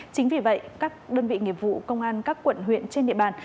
chính vì vậy các đơn vị nghiệp vụ công an các quận huyện trên địa bàn